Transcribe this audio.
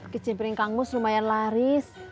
kecimpring kangus lumayan laris